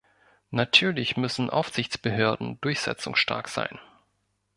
Natürlich müssen Aufsichtsbehörden durchsetzungsstark sein.